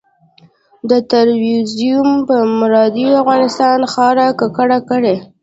د ترورېزم په مرداریو د افغانستان خاوره ککړه کړي.